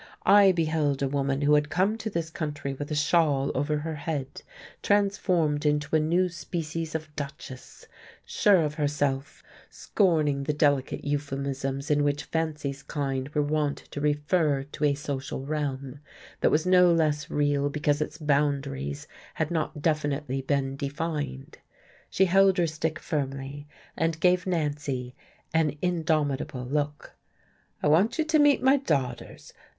I beheld a woman who had come to this country with a shawl aver her head transformed into a new species of duchess, sure of herself, scorning the delicate euphemisms in which Fancy's kind were wont to refer to asocial realm, that was no less real because its boundaries had not definitely been defined. She held her stick firmly, and gave Nancy an indomitable look. "I want you to meet my daughters.